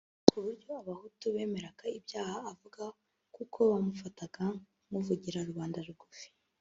ku buryo abahutu bemeraga ibyo avuga kuko bamufataga nk’uvugira rubanda rugufi